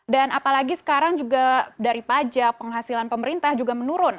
dan apalagi sekarang juga dari pajak penghasilan pemerintah juga menurun